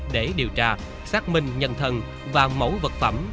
để điều tra xác minh nhân thân và mẫu vật phẩm